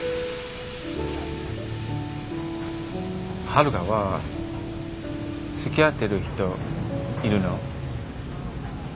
春香はつきあってる人いるの？